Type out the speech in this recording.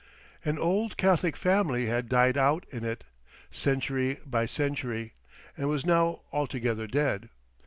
An old Catholic family had died out in it, century by century, and was now altogether dead.